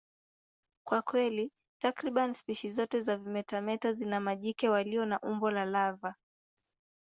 Kwa kweli, takriban spishi zote za vimetameta zina majike walio na umbo la lava.